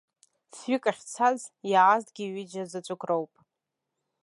Фҩык ахьцаз иаазгьы ҩыџьа заҵәык роуп.